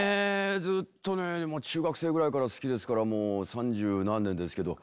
ずっとねもう中学生ぐらいから好きですからもう三十何年ですけど。